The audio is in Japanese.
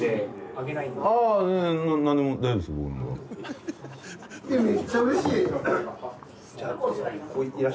めっちゃ嬉しい